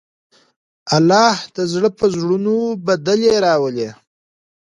الله د ظلم په زړونو بدلې راولي.